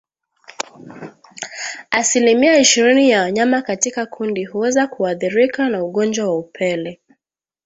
Asilimia ishirini ya wanyama katika kundi huweza kuathirika na ugonjwa wa upele